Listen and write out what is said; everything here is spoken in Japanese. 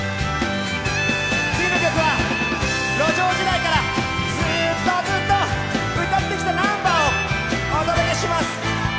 次の曲は路上時代からずっとずっと歌ってきたナンバーをお届けします。